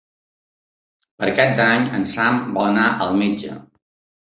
Per Cap d'Any en Sam vol anar al metge.